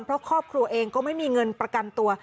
เพราะครอบครัวเองก็ไม่มีเงินประกันตัว